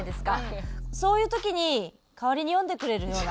そういう時に代わりに読んでくれるような。